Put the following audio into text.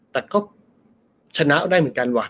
แต่ก็ชนะได้เหมือนกันว่ะ